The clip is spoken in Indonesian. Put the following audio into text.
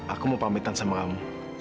aku mau pamitan sama kamu